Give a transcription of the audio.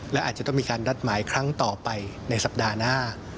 และอาจจะต้องมีการนัดหมายครั้งต่อไปในสัปดาห์หน้า